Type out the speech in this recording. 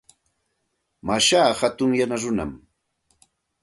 Mashaa hatun yana runam.